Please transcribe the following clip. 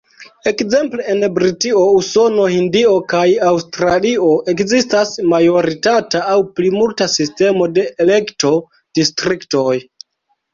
Ekzemple en Britio, Usono, Hindio kaj Aŭstralio ekzistas majoritata aŭ plimulta sistemo de elekto-distriktoj.